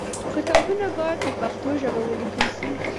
کتابونه باید په پښتو ژبه ولیکل سي.